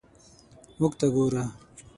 موږ ته وګوره.